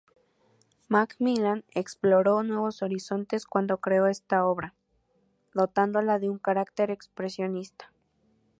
MacMillan exploró nuevos horizontes cuando creó esta obra, dotándola de un carácter expresionista.